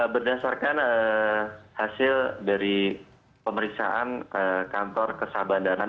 berdasarkan hasil dari pemeriksaan kantor kesyah bandaraan